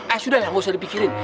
ah sudah lah gak usah dipikirin